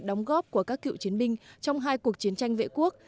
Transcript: đóng góp của các cựu chiến binh trong hai cuộc chiến tranh vệ quốc